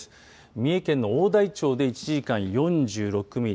三重県の大台町で１時間４６ミリ